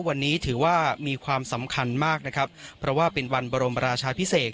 วันนี้ถือว่ามีความสำคัญมากนะครับเพราะว่าเป็นวันบรมราชาพิเศษ